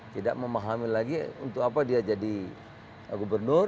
tidak memahami lagi untuk apa dia jadi gubernur